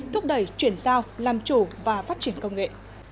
thúc đẩy chuyển giao làm chủ và phát triển công nghệ